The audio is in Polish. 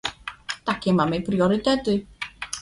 Takie mamy priorytety